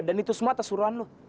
dan itu semua atas suruhan lu